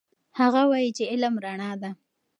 هغه وایي چې علم رڼا ده.